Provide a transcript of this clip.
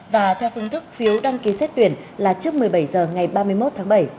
và theo phương thức phiếu đăng ký xét tuyển là trước một mươi bảy h ngày ba mươi một tháng bảy